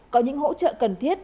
có những hỗ trợ cần thiết